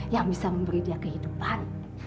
yang bisa memberi dia kehidupan